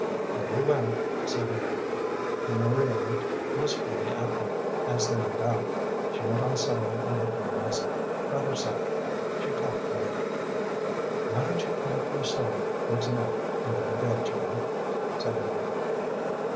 "Very well," said her mother. Maria looked wistfully at them as they went out. She went on sewing on her blue muslin, rather sadly. She coughed a little. "Why don't you put up your sewing for to night and go to bed, child?" said her mother.